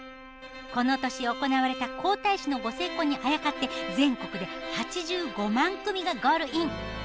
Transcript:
この年行われた皇太子のご成婚にあやかって全国で８５万組がゴールイン。